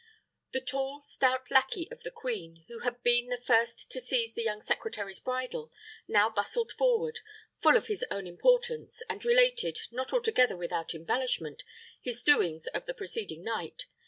The tall, stout lackey of the queen, who had been the first to seize the young secretary's bridle, now bustled forward, full of his own importance, and related, not altogether without embellishment, his doings of the preceding night.